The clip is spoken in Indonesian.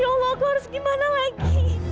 ya allah aku harus gimana lagi